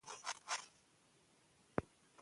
خلک به یې قبر ته درناوی کوي.